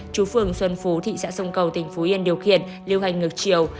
chú phường xuân phú thị xã sông cầu tỉnh phú yên điều khiển lưu hành ngược chiều